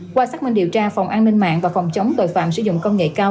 qua xác minh điều tra phòng an ninh mạng và phòng chống tội phạm sử dụng công nghệ cao